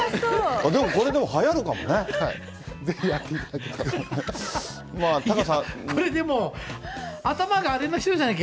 でもこれ、でも、はやるかもはい。